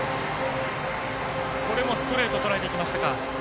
これもストレートとらえていきましたか。